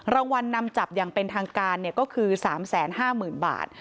รางวัลนำจับอย่างเป็นทางการก็คือ๓๕๐๐๐บาท